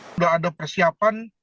sudah ada persiapan